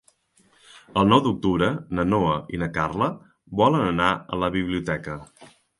El nou d'octubre na Noa i na Carla volen anar a la biblioteca.